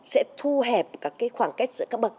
sẽ thu hẹp các cái khoảng cách giữa các bậc